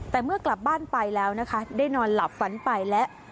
แต่เมื่อกลับบ้านไปแล้วนะคะได้นอนหลับฝันไปแล้ว